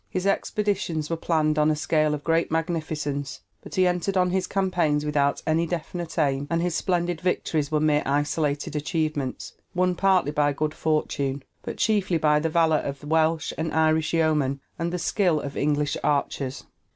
His expeditions were planned on a scale of great magnificence, but he entered on his campaigns without any definite aim, and his splendid victories were mere isolated achievements, won partly by good fortune, but chiefly by the valor of Welsh and Irish yeomen and the skill of English archers.